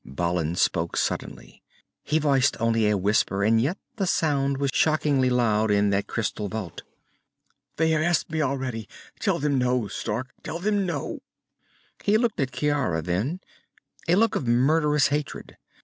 _" Balin spoke suddenly. He voiced only a whisper, and yet the sound was shockingly loud in that crystal vault. "They have asked me already. Tell them no, Stark! Tell them no!" He looked at Ciara then, a look of murderous hatred.